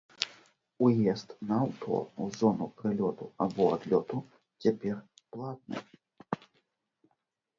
Уезд на аўто ў зону прылёту або адлёту цяпер платны.